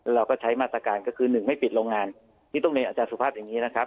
แล้วก็ใช้มาตรการก็คือ๑ไม่ปิดโรงงานมีต้องในอาจารย์สุภาพอันต์อย่างนี้นะครับ